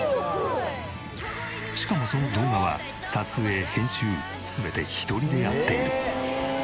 しかもその動画は撮影編集全て１人でやっている。